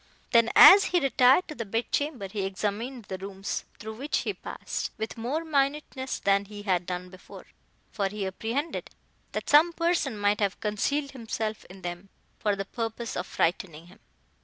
Then, as he retired to the bed chamber, he examined the rooms through which he passed, with more minuteness than he had done before, for he apprehended that some person might have concealed himself in them, for the purpose of frightening him.